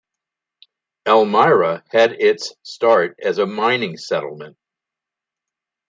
Elmira had its start as a mining settlement.